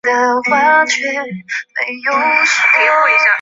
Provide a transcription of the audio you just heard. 东汉光和元年。